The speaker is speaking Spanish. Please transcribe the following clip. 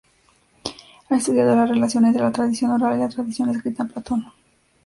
Ha estudiado la relación entre la tradición oral y la tradición escrita en Platón.